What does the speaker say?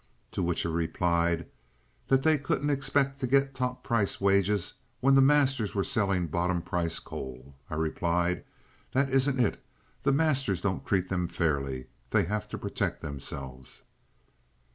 To which he replied that they couldn't expect to get top price wages when the masters were selling bottom price coal. I replied, "That isn't it. The masters don't treat them fairly. They have to protect themselves."